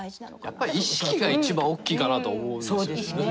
やっぱり意識が一番大きいかなと思うんですね。